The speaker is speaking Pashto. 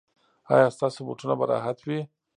ایا ستاسو بوټونه به راحت وي؟